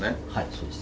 そうです。